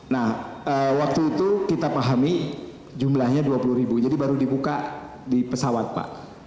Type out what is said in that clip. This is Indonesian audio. nah waktu itu kita pahami jumlahnya dua puluh ribu jadi baru dibuka di pesawat pak